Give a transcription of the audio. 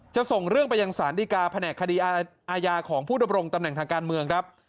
ส่งเรื่องไปยังศาลดีกาแผนกคดีอาญาของผู้ดำรงตำแหน่งทางการเมืองครับ